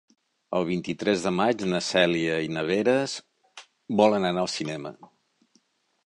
El vint-i-tres de maig na Cèlia i na Vera volen anar al cinema.